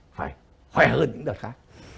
phải khỏe hơn những đợt khác